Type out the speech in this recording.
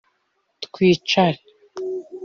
twicare